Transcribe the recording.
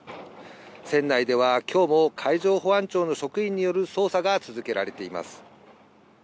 船内ではきょうも海上保安庁の職員による捜査が続けられています。